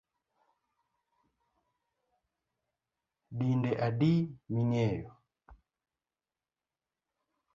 Dinde adi mingeyo